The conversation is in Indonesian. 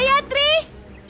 saya harus mencari anak saya